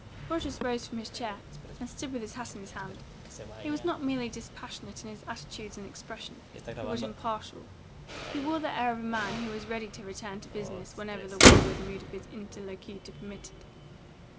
Rogers rose from his chair, and stood with his hat in his hand. He was not merely dispassionate in his attitude and expression, he was impartial. He wore the air of a man who was ready to return to business whenever the wayward mood of his interlocutor permitted.